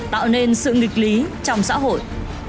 tạo nên sự nghịch lý trong xã hội